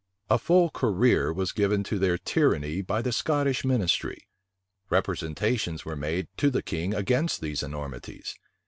A full career was given to their tyranny by the Scottish ministry. Representations were made to the king against these enormities.